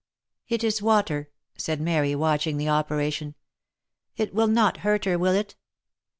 " It is water," said Mary, watching the operation. " It will not hurt her, will it